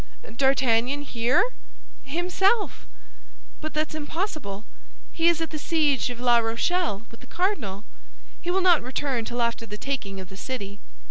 D'Artagnan here?" "Himself!" "But that's impossible! He is at the siege of La Rochelle with the cardinal. He will not return till after the taking of the city."